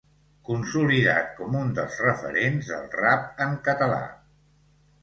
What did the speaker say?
Consolidat com un dels referents del Rap en Català.